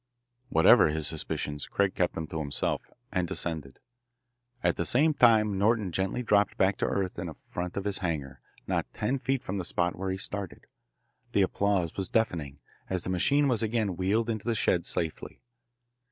Whatever his suspicions, Craig kept them to himself, and descended. At the same time Norton gently dropped back to earth in front of his hangar, not ten feet from the spot where he started. The applause was deafening, as the machine was again wheeled into the shed safely.